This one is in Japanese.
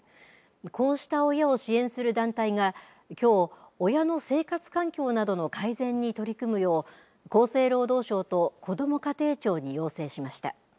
こうした親を支援する団体がきょう、親の生活環境などの改善に取り組むよう厚生労働省とこども家庭庁に要請しました。